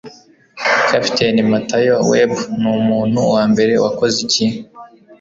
Kapiteni Matayo Webb Numuntu wambere wakoze iki